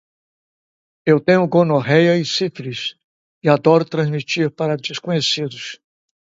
Eu tenho gonorreia e sífilis e adoro transmitir para desconhecidos